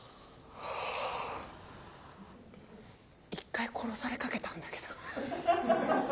１回殺されかけたんだけど。